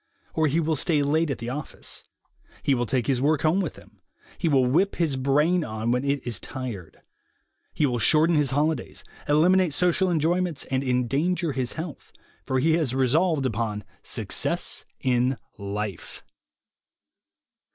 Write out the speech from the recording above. Or he will stay late at the office; he will take his work home with him; he will whip his brain on when it is tired; he will shorten his holidays, eliminate social enjoyments and endanger his health, for he has resolved upon Success in Life.